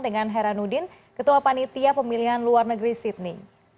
dengan heranuddin ketua panitia pemilihan luar negeri sydney